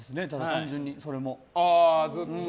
単純にそれも。